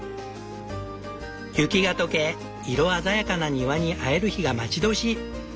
雪が解け色鮮やかな庭に会える日が待ち遠しい！